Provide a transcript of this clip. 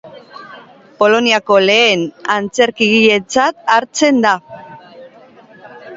Poloniako lehen antzerkigiletzat hartzen da.